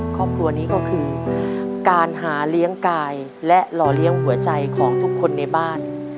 ครอบครัวนี้ก็คือการหาเลี้ยงกายและหล่อเลี้ยงหัวใจของทุกคนในบ้าน